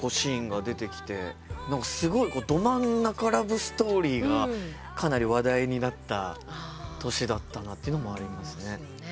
すごいど真ん中ラブストーリーがかなり話題になった年だったなっていうのもありますね。